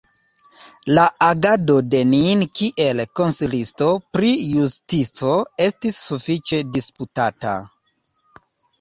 La agado de Nin kiel Konsilisto pri Justico estis sufiĉe disputata.